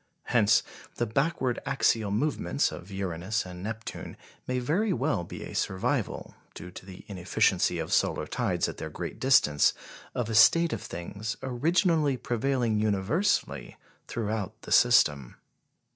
Hence the backward axial movements of Uranus and Neptune may very well be a survival, due to the inefficiency of solar tides at their great distance, of a state of things originally prevailing universally throughout the system.